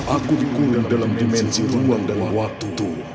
aku dikurung dalam dimensi ruang dan waktu